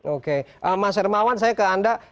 oke mas hermawan saya ke anda